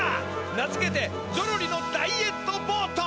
名づけてゾロリのダイエットボート！